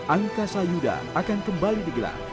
angkasa yuda akan kembali digelar